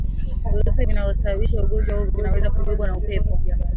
Virusi vinavyosababisha ugonjwa huo vinaweza kubebwa na upepo